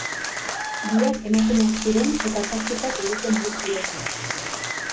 Biak emakumeak ziren eta praktikak egiten ari ziren.